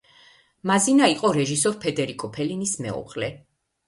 მაზინა იყო რეჟისორ ფედერიკო ფელინის მეუღლე.